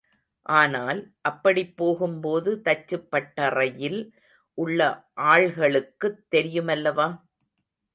ஆனால், அப்படிப் போகும் போது தச்சுப்பட்டறையில் உள்ள ஆள்களுக்குத் தெரியுமல்லவா?